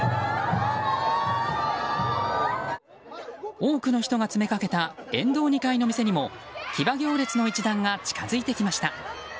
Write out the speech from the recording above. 多くの人が詰めかけた沿道２階の店にも騎馬行列の一団が近づいてきました。